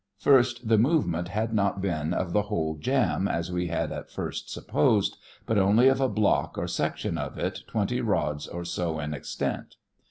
First, the movement had not been of the whole jam, as we had at first supposed, but only of a block or section of it twenty rods or so in extent.